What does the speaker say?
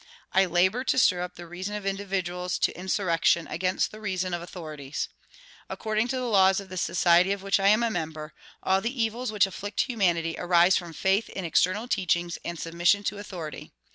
I labor to stir up the reason of individuals to insurrection against the reason of authorities. According to the laws of the society of which I am a member, all the evils which afflict humanity arise from faith in external teachings and submission to authority.